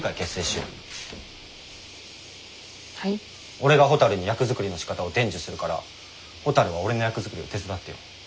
俺がほたるに役作りのしかたを伝授するからほたるは俺の役作りを手伝ってよ。